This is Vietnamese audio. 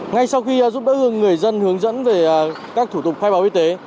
ngay sau khi giúp đỡ hương người dân hướng dẫn về các thủ tục khoai báo y tế